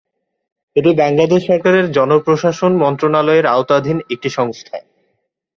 এটি বাংলাদেশ সরকারের জনপ্রশাসন মন্ত্রণালয়ের আওতাধীন একটি সংস্থা।